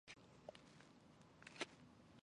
外环饰以八只贝壳和八片香蕉叶。